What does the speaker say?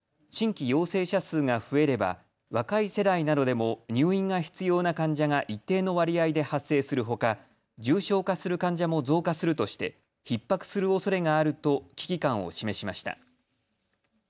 一方、医療提供体制について専門家は新規陽性者数が増えれば若い世代などでも入院が必要な患者が一定の割合で発生するほか重症化する患者も増加するとしてひっ迫するおそれがあると危機感を示しました。